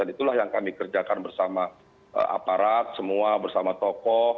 itulah yang kami kerjakan bersama aparat semua bersama tokoh